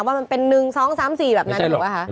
ว่ามันเป็น๑๒๓๔แบบนั้นหรือเปล่าคะ